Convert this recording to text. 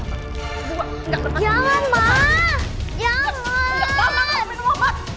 mama gak mau minum obat